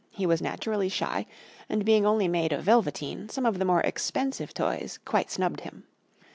He was naturally shy, and being only made of velveteen, some of the more expensive toys quite snubbed him.